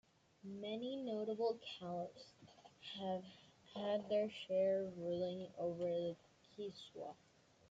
Many notable Caliphs have had their share of ruling over the Kiswah.